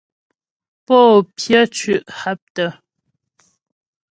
Pô pyə́ cʉ́' haptə.